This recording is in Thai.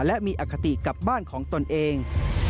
และมีอคติกับบ้านของตนเอง